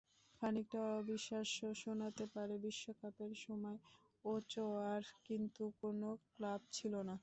খানিকটা অবিশ্বাস্য শোনাতে পারে, বিশ্বকাপের সময় ওচোয়ার কিন্তু কোনো ক্লাব ছিল না।